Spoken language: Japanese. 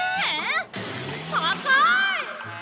高い！